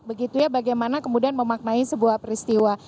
begitu ya bagaimana kemudian memaknai sebuah peristiwa